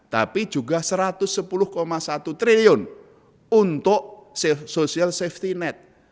tapi juga rp satu ratus sepuluh satu triliun untuk social safety net